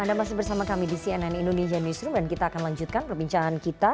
anda masih bersama kami di cnn indonesia newsroom dan kita akan lanjutkan perbincangan kita